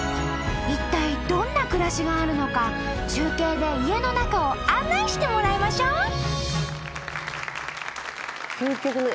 一体どんな暮らしがあるのか中継で家の中を案内してもらいましょう！